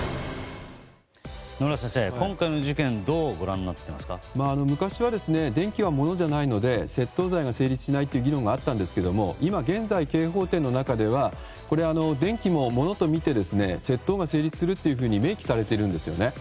野村先生、今回の事件昔は電気は物じゃないので窃盗罪は成立しないという議論があったんですけど今現在、刑法典の中では今、電気もものとみて窃盗が成立するというふうに明記されているんですよね。